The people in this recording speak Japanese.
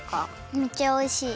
めっちゃおいしい。